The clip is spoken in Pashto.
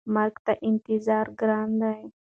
مرګ ته انتظار ګران دی.